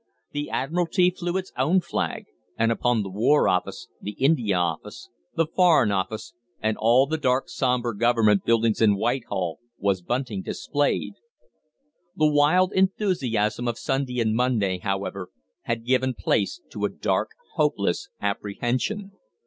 The Admiralty flew its own flag, and upon the War Office, the India Office, the Foreign Office, and all the dark, sombre Government buildings in Whitehall was bunting displayed. The wild enthusiasm of Sunday and Monday, however, had given place to a dark, hopeless apprehension.